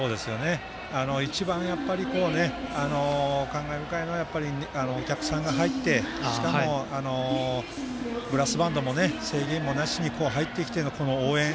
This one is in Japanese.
一番、感慨深いのはお客さんが入ってしかもブラスバンドの制限もなしに入ってきての応援。